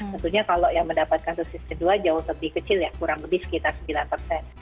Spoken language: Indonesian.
tentunya kalau yang mendapatkan dosis kedua jauh lebih kecil ya kurang lebih sekitar sembilan persen